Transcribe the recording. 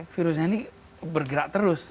virusnya ini bergerak terus